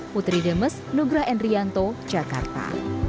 putri demes nugra endrianto jakarta